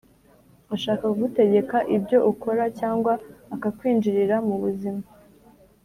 ashaka kugutegeka ibyo ukora cyangwa akakwinjirira mu buzima